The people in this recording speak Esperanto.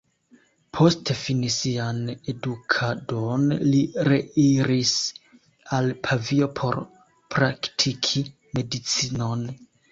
Post fini sian edukadon li reiris al Pavio por praktiki medicinon.